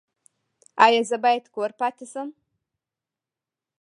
ایا زه باید کور پاتې شم؟